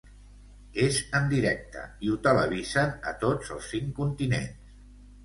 És en directe i ho televisen a tots es cinc continents.